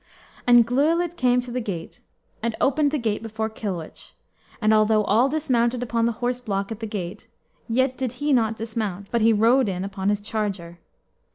And Glewlwyd came to the gate, and opened the gate before Kilwich: and although all dismounted upon the horse block at the gate, yet did he not dismount, but he rode in upon his charger.